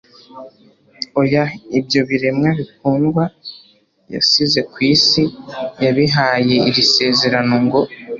Oya. Ibyo biremwa bikundwa yasize ku isi yabihaye iri sezerano ngo :